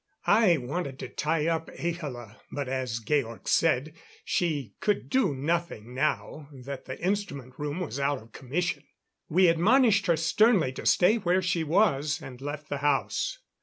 I wanted to tie up Ahla, but as Georg said, she could do nothing now that the instrument room was out of commission. We admonished her sternly to stay where she was, and left the house.